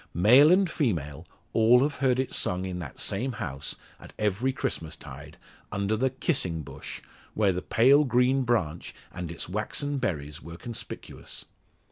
Male and female all have heard it sung in that same house, at every Christmas tide, under the "kissing bush," where the pale green branch and its waxen berries were conspicuous.